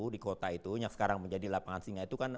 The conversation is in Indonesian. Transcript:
di kota itu yang sekarang menjadi lapangan singa itu kan